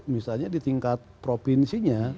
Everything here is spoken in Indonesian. misalnya di tingkat provinsinya